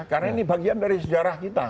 karena ini bagian dari sejarah kita